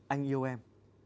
anh yêu em